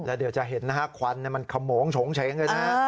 แล้วเดี๋ยวจะเห็นนะฮะควันมันขมองฉงเฉง